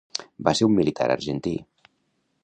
Va ser un militar argentí.